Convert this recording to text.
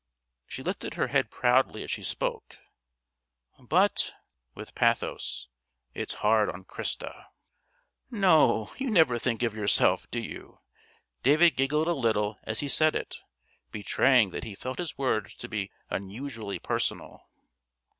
She lifted her head proudly as she spoke. "But" (with pathos) "it's hard on Christa." "No; you never think of yourself, do you?" David giggled a little as he said it, betraying that he felt his words to be unusually personal.